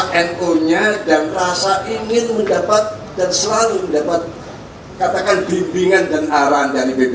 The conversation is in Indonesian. rasa npo nya dan merasa ingin mendapat dan selalu mendapat katakan pimpinan dan arahan dari pbnu